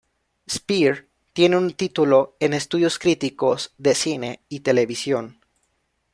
Speer tiene un título en Estudios Críticos de Cine y Televisión.